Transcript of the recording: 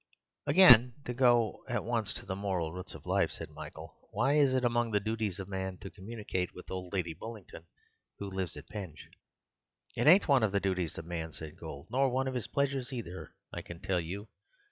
"Again, to go at once to the moral roots of life," said Michael, "why is it among the duties of man to communicate with old Lady Bullingdon who lives at Penge?" "It ain't one of the duties of man," said Gould, "nor one of his pleasures, either, I can tell you.